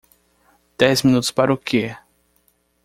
Dez minutos para o que?